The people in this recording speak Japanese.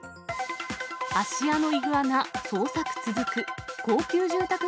芦屋のイグアナ、捜索続く。